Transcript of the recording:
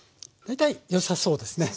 大体よさそうですね。